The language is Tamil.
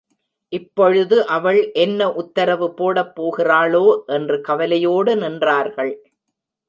இப்பொழுது அவள் என்ன உத்தரவு போடப்போகிறாளோ என்று கவலையோடு நின்றார்கள்.